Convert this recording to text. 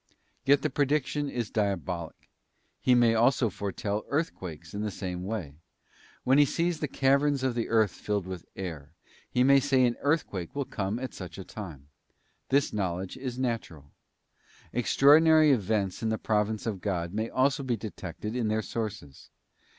Yet the prediction is diabolic. He may also foretell earthquakes in the same way. When he sees the caverns of the earth filled with air, he may say an earthquake will come at such atime. This knowledge is natural. Extraordinary events in the providence of God may also be detected in their sources.